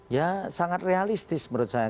ya sangat realistis menurut saya